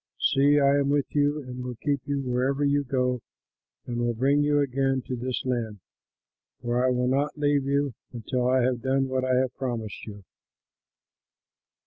See, I am with you, and will keep you wherever you go and will bring you again to this land; for I will not leave you until I have done what I have promised you."